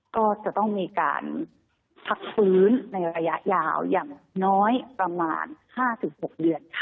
ก็จะต้องมีการพักฟื้นในระยะยาวอย่างน้อยประมาณ๕๖เดือนค่ะ